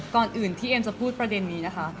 ก่อนอื่นที่เอ็มจะพูดประเด็นนี้นะคะ